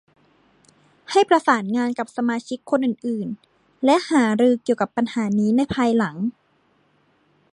ให้ประสานงานกับสมาชิกคนอื่น ๆ และหารือเกี่ยวกับปัญหานี้ในภายหลัง